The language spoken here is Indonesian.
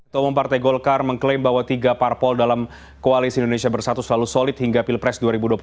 tomum partai golkar mengklaim bahwa tiga parpol dalam koalisi indonesia bersatu selalu solid hingga pilpres dua ribu dua puluh empat